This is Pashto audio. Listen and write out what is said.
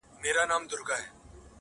چې هم پرې خبره کیدی شي